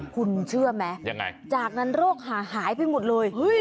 คุณเชื่อไหมยังไงจากนั้นโรคหาหายไปหมดเลย